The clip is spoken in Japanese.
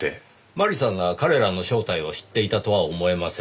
麻里さんが彼らの正体を知っていたとは思えません。